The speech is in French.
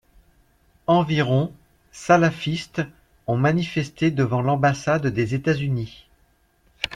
Environ salafistes ont manifesté devant l'ambassade des États-Unis.